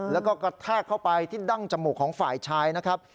แล้วก็กระแทกเข้าไปที่ดั้งจมูกของฝ่ายชายนะครับ